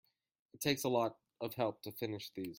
It takes a lot of help to finish these.